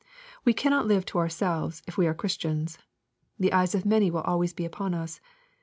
We cannot live to ourselves, if we are Christians. The eyes of many will always be upon us.